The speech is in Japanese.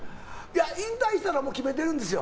引退したら決めてるんですよ。